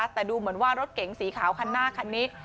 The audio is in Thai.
แต่ดูเหมือนว่ารถเก๋งสีขาวคันหน้าคันนี้